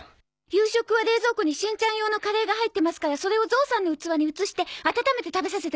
夕食は冷蔵庫にしんちゃん用のカレーが入ってますからそれをゾウさんの器に移して温めて食べさせてくださいね。